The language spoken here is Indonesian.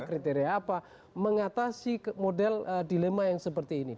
kriteria apa mengatasi model dilema yang seperti ini